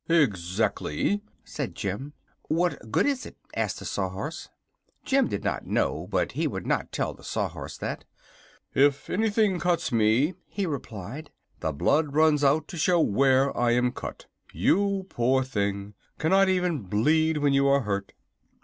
"Exactly," said Jim. "What good is it?" asked the Sawhorse. Jim did not know, but he would not tell the Sawhorse that. "If anything cuts me," he replied, "the blood runs out to show where I am cut. You, poor thing! cannot even bleed when you are hurt."